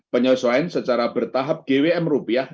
penyesuaian secara bertahap gwm rupiah